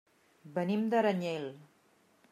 Venim d'Aranyel.